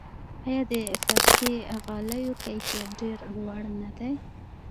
آیا د فارسي غالیو کیفیت ډیر لوړ نه دی؟